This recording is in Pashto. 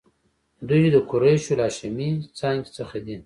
دوی د قریشو له هاشمي څانګې څخه دي.